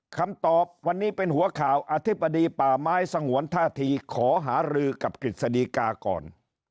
คำตอบวันนี้เป็นหัวข่าวอธิบดีป่าไม้สงวนท่าทีขอหารือกับกฤษฎีกาก่อน